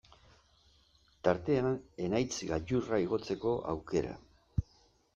Tartean Enaitz gailurra igotzeko aukera.